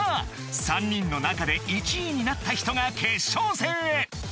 ３人の中で１位になった人が決勝戦へ！